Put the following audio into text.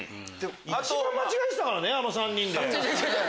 一番間違えてたからねあの３人で。